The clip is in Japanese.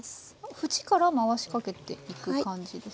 ふちから回しかけていく感じですか？